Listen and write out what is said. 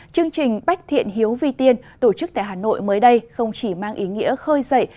chương trình bách thiện hiếu vi tiên tổ chức tại hà nội mới đây không chỉ mang ý nghĩa khơi dậy